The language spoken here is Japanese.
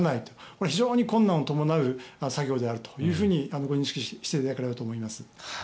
これは非常に困難を伴う作業であるとご認識していただければと思います。